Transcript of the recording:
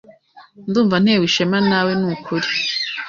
Ndumva ntewe ishema nawe ni ukuri.